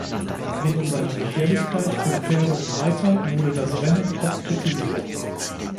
Wegen seiner Gefährlichkeit für Pferde und Reiter wurde das Rennen oft kritisiert.